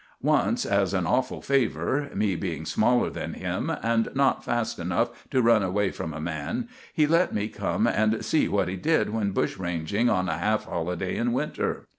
Once, as an awful favor me being smaller than him, and not fast enough to run away from a man he let me come and see what he did when bushranging on a half holiday in winter.